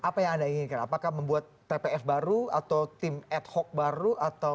apa yang anda inginkan apakah membuat tpf baru atau tim ad hoc baru